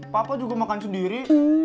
papa juga makan sendiri